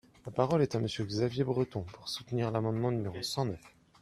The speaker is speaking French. La parole est à Monsieur Xavier Breton, pour soutenir l’amendement numéro cent neuf.